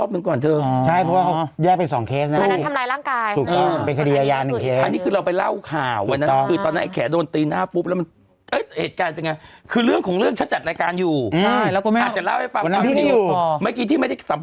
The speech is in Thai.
นักข่าวเปล่าหุกเถอร์ภาครคุณแม่ไม่ได้ให้สัมภาษณ์คุณแม่ขึ้นรถเลยใช่ไหม